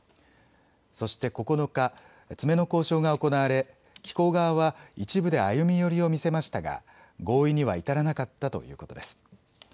そして９日、詰めの交渉が行われ機構側は一部で歩み寄りを見せましたが合意には至らなかったということです。